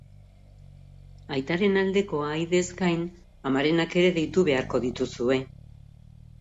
Aitaren aldeko ahaideez gain, amarenak ere deitu beharko dituzue.